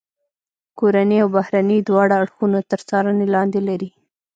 کورني او بهرني دواړه اړخونه تر څارنې لاندې لري.